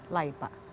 apa yang anda katakan